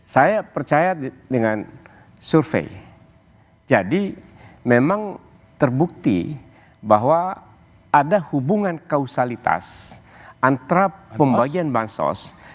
saya percaya dengan survei jadi memang terbukti bahwa ada hubungan kausalitas antara pembagian bansos